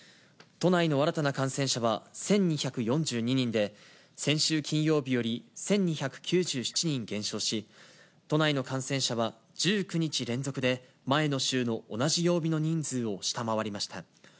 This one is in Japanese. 都内の新たな感染者は１２４２人で、先週金曜日より１２９７人減少し、都内の感染者は１９日連続で、前の週の同じ曜日の人数を下回りました。